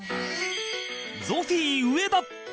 ゾフィー上田。